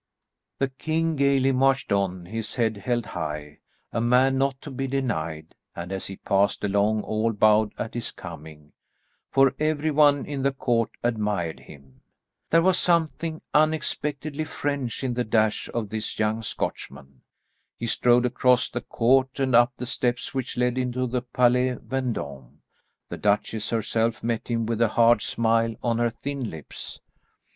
The king gaily marched on, his head held high, a man not to be denied, and as he passed along all bowed at his coming, for everyone in the court admired him. There was something unexpectedly French in the dash of this young Scotchman. He strode across the court and up the steps which led into the Palais Vendôme. The duchess herself met him with a hard smile on her thin lips.